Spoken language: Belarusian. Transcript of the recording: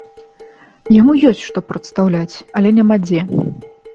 Яму ёсць што прадстаўляць, але няма дзе.